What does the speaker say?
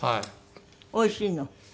おいしいの？